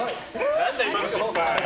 何だ、今の失敗。